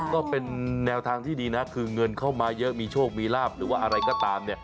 ก็เป็นแนวทางที่ดีนะคือเงินเข้ามาเยอะมีโชคมีลาบหรือว่าอะไรก็ตาม